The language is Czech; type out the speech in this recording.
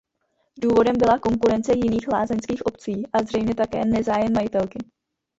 Důvodem byla konkurence jiných lázeňských obcí a zřejmě také nezájem majitelky.